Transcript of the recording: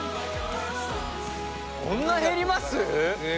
こんな減ります？